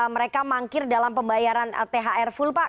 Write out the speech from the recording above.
mereka mangkir dalam pembayaran thr full pak